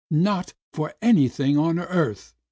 "Not for anything on earth.